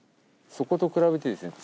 そこと比べてですね